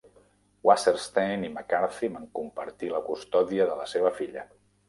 Wasserstein i McCarthy van compartir la custòdia de la seva filla.